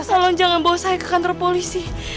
tolong jangan bawa saya ke kantor polisi